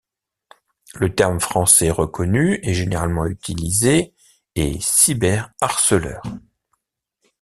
Le terme français reconnu et généralement utilisé est cyberharceleurs.